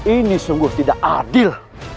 ini sungguh tidak adil